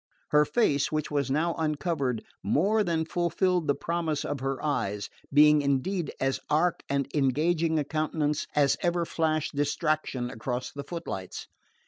Her face, which was now uncovered, more than fulfilled the promise of her eyes, being indeed as arch and engaging a countenance as ever flashed distraction across the foot lights.